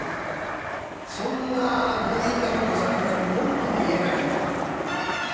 そんな強引なことされて文句も言えないんだから。